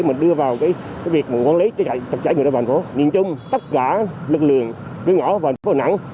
mình đưa vào cái việc của quán lấy cho chạy người ra thành phố nhìn chung tất cả lực lượng đưa ngõ vào thành phố đà nẵng